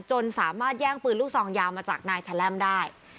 จนสามารถแย่งปืนลูกซองยาวมาจากนายแชล่มได้